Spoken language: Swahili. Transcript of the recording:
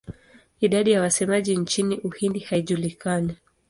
Idadi ya wasemaji nchini Uhindi haijulikani.